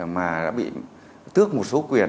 mà đã bị tước một số quyền